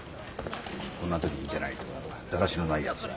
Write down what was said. こんなときに出ないとはだらしのないやつだ。